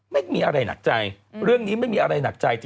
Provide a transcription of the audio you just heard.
ไม่มีอะไรหนักใจเรื่องนี้ไม่มีอะไรหนักใจจริง